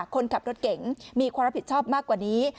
คนขับรถเก๋งมีความรับผิดชอบมากกว่านี้